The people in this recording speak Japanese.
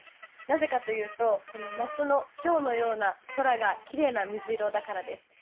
なぜかというとこの夏の今日のような空がキレイな水色だからです。